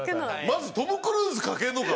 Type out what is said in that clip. まずトム・クルーズ描けるのか？